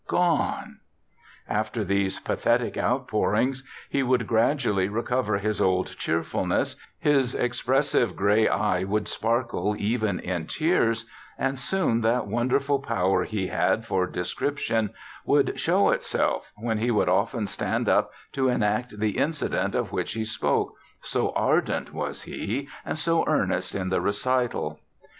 gone! After these pathetic outpourings, he would gradually recover his old cheerfulness, his expressive gray eye would sparkle even in tears, and soon that wonderful power he had for description would show itself, when he would often stand up to enact the incident of which he spoke, so ardent was he, and so earnest in the recital.